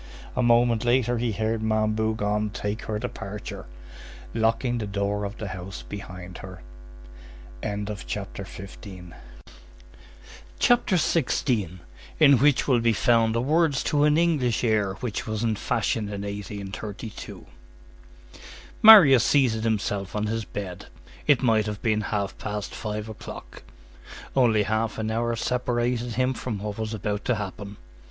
A moment later he heard Ma'am Bougon take her departure, locking the door of the house behind her. CHAPTER XVI—IN WHICH WILL BE FOUND THE WORDS TO AN ENGLISH AIR WHICH WAS IN FASHION IN 1832 Marius seated himself on his bed. It might have been half past five o'clock. Only half an hour separated him from what was about to happen.